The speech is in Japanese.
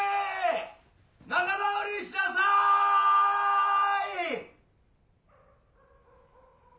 ・・仲直りしなさい！